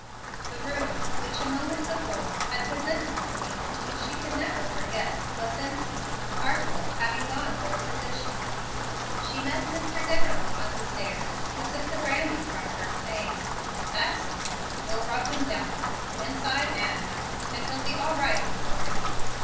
The room which a moment before had presented a scene which she would never forget was empty, Harcourt having gone for a physician. She met Mr. Dimmerly on the stairs, who took the brandy from her, saying: "That's sensible. We'll rub him down with it, inside and out, and he'll be all right in the morning.